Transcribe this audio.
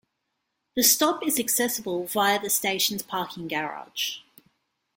The stop is accessible via the station's parking garage.